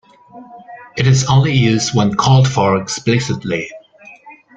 It is only used when called for explicitly.